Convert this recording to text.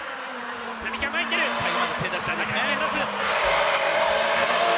最後まで、手を出したいですね。